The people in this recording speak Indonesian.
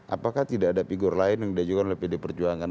apakah tidak ada figur lain yang diajukan oleh pd perjuangan